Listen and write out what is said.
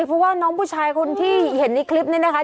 เพราะว่าน้องผู้ชายคนที่เห็นในคลิปนี้นะคะ